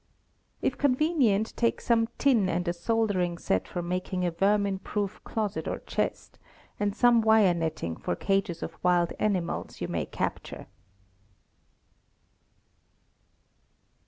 If convenient, take some tin and a soldering set for making a vermin proof closet or chest, and some wire netting for cages of wild animals you may capture.